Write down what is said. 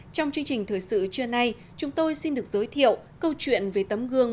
trong chương trình thời sự trưa nay chúng tôi xin được giới thiệu câu chuyện về tấm gương